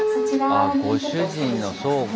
あご主人のそうか。